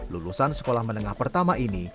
lulusan sekolah menengah pertama ini